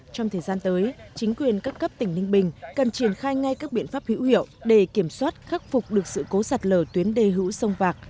trong thời gian tới chính quyền các cấp tỉnh ninh bình cần triển khai ngay các biện pháp hữu hiệu để kiểm soát khắc phục được sự cố sạt lở tuyến đề hữu sông vạc